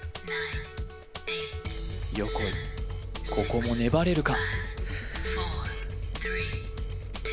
ここも粘れるか？